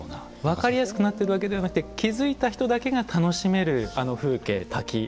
分かりやすくなってるわけではなくて気付いた人だけが楽しめるあの風景滝ということなんですか。